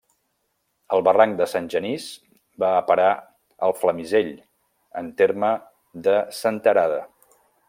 El barranc de Sant Genís va a parar al Flamisell, en terme de Senterada.